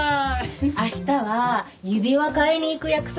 明日は指輪買いに行く約束だよ。